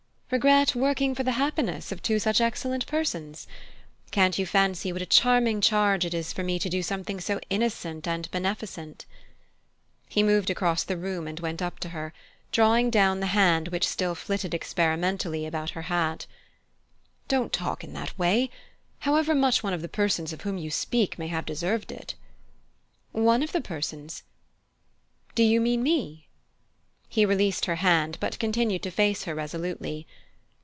"Regret working for the happiness of two such excellent persons? Can't you fancy what a charming change it is for me to do something so innocent and beneficent?" He moved across the room and went up to her, drawing down the hand which still flitted experimentally about her hat. "Don't talk in that way, however much one of the persons of whom you speak may have deserved it." "One of the persons? Do you mean me?" He released her hand, but continued to face her resolutely.